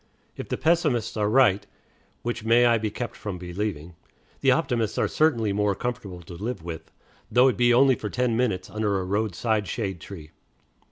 If the pessimists are right, which may I be kept from believing, the optimists are certainly more comfortable to live with, though it be only for ten minutes under a roadside shade tree.